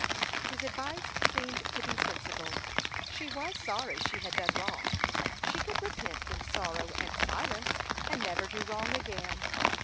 His advice seemed to be sensible. She was sorry she had done wrong; she could repent in sorrow and silence, and never do wrong again.